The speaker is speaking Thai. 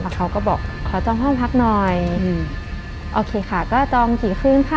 เขาก็บอกขอจองห้องพักหน่อยอืมโอเคค่ะก็จองกี่คืนค่ะ